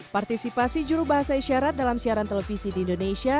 partisipasi juru bahasa isyarat dalam siaran televisi di indonesia